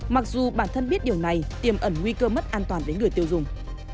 mặc dù bản thân biết điều này tiềm ẩn nguy cơ mất an toàn đến người tiêu dùng